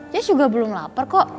dia juga belum lapar kok